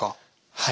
はい。